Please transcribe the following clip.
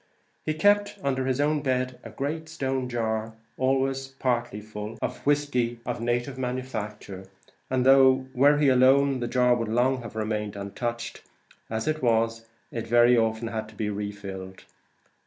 He kept under his own bed a great stone jar, always, partly at least, full of whiskey of native manufacture; and though, were he alone, the jar would long have remained untouched, as it was, it very often had to be refilled.